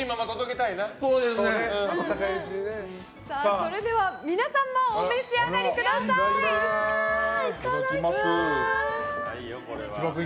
それでは皆さんもお召し上がりください。